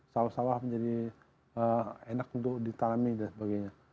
sawah sawah menjadi enak untuk ditanami dan sebagainya